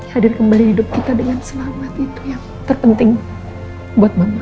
hadir kembali hidup kita dengan selamat itu yang terpenting buat mama